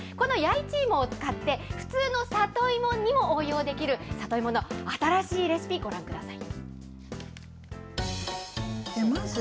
この弥一芋を使って、普通の里芋にも応用できる、里芋の新しいレシピ、ご覧ください。